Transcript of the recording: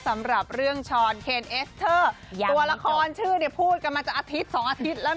สำหรับเรื่องช้อนเคนเอสเตอร์ตัวละครชื่อเนี่ยพูดกันมาจะอาทิตย์สองอาทิตย์แล้ว